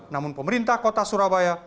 namun pemerintah kota surabaya